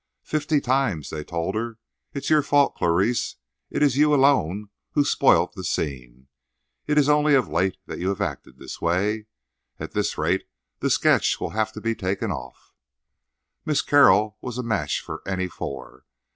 Fifty times they told her: "It is your fault, Clarice—it is you alone who spoilt the scene. It is only of late that you have acted this way. At this rate the sketch will have to be taken off." Miss Carroll was a match for any four.